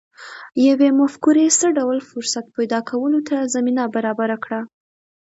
يوې مفکورې څه ډول فرصت پيدا کولو ته زمينه برابره کړه؟